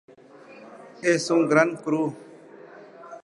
Es un "grand cru".